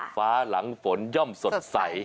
ฟ้าหลังฝนย่อมสดใส